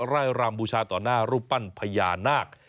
ไร่รำบูชาต่อหน้ารูปปั้นพญานาค